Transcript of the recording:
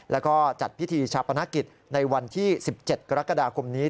แล้วก็จัดพิธีชาปนกิจในวันที่๑๗กรกฎาคมนี้